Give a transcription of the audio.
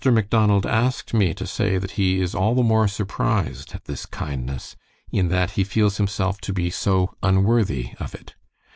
Macdonald asked me to say that he is all the more surprised at this kindness, in that he feels himself to be so unworthy of it.